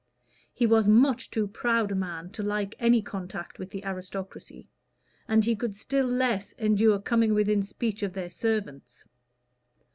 He was much too proud a man to like any contact with the aristocracy, and he could still less endure coming within speech of their servants.